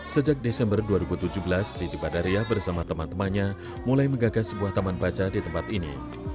sejak desember dua ribu tujuh belas siti badariah bersama teman temannya mulai menggagas sebuah taman baca di tempat ini